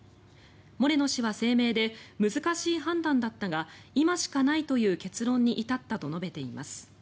モレノ氏は声明で難しい判断だったが今しかないという結論に至ったと述べています。